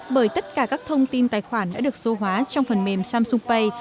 bởi tất cả các thông tin tài khoản đã được số hóa trong phần mềm samsung pay